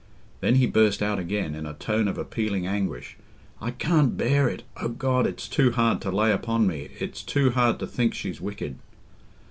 Then he burst out again, in a tone of appealing anguish, "I can't bear it... O God, it's too hard to lay upon me—it's too hard to think she's wicked."